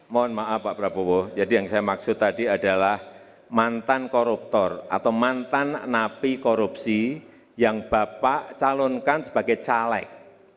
mohon maaf pak prabowo jadi yang saya maksud tadi adalah mantan koruptor atau mantan napi korupsi yang bapak calonkan sebagai caleg